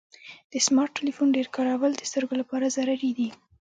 د سمارټ ټلیفون ډیر کارول د سترګو لپاره ضرري دی.